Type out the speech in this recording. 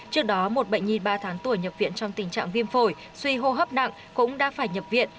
trước đó một bệnh nhi ba tháng tuổi nhập viện trong tình trạng viêm phổi suy hô hấp nặng cũng đã phải nhập viện